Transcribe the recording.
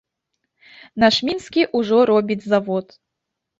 Наш мінскі ўжо робіць завод.